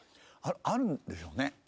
あるんでしょうね。